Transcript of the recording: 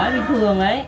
bình thường ấy